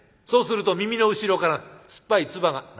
そうすると耳の後ろから酸っぱい唾が」。